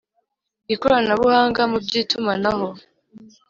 Ikoranabuhanga mu by itumanaho